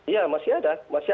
iya masih ada